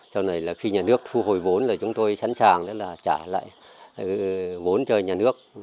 sau này khi nhà nước thu hồi vốn chúng tôi sẵn sàng trả lại vốn cho nhà nước